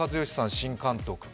新監督か？